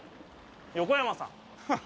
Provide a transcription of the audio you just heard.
横山さん。